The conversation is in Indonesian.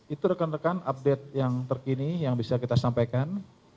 itu rekan rekan update yang terkini yang bisa kita sampaikan